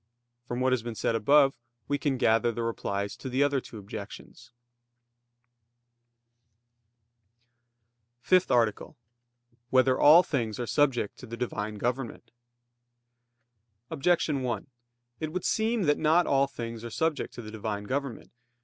From what has been said above, we can gather the replies to the other two objections. _______________________ FIFTH ARTICLE [I, Q. 103, Art. 5] Whether All Things Are Subject to the Divine Government? Objection 1: It would seem that not all things are subject to the Divine government.